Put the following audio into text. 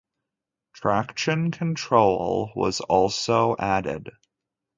Traction control was also added.